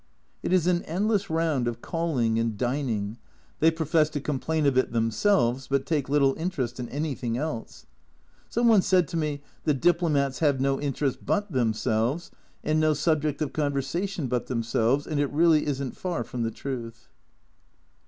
It is an endless round of calling and dining : they profess to complain of it themselves, but take little interest in anything else. Some one said to me, " The diplomats have no interest but themselves, and no subject of conversation but themselves," and it really isn't far from the truth.